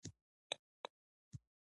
که هوا ککړه شي، خلک ناروغ کېږي.